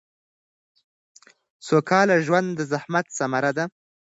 سوکاله ژوند د زحمت ثمره ده